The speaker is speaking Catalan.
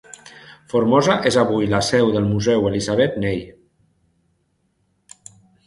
Formosa és avui la seu del Museu Elisabet Ney.